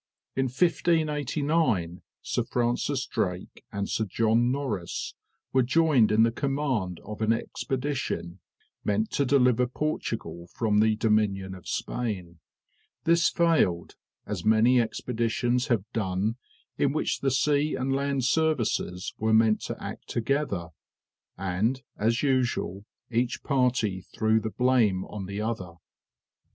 In 1589 Sir Francis Drake and Sir John Norris were joined in the command of an expedition, meant to deliver Portugal from the dominion of Spain. This failed, as many expeditions have done in which the sea and land services were meant to act together; and as usual, each party threw the blame on the other.